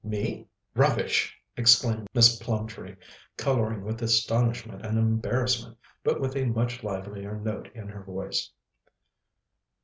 "Me? Rubbish!" exclaimed Miss Plumtree, colouring with astonishment and embarrassment, but with a much livelier note in her voice.